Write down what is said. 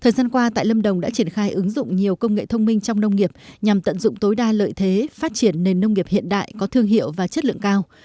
thời gian qua tại lâm đồng đã triển khai ứng dụng nhiều công nghệ thông minh trong nông nghiệp nhằm tận dụng tối đa lợi thế phát triển nền nông nghiệp hiện đại có thương hiệu và chất lượng cao